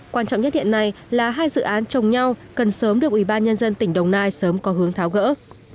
quan trọng nhất hiện nay là hai dự án trồng nhau cần sớm được ủy ban nhân dân tỉnh đồng nai sớm có hướng tháo gỡ